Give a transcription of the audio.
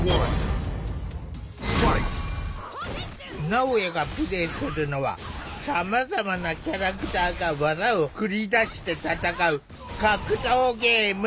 なおやがプレイするのはさまざまなキャラクターが技を繰り出して戦う格闘ゲーム。